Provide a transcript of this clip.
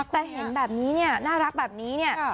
แต่เห็นแบบนี้เนี่ยน่ารักแบบนี้เนี่ย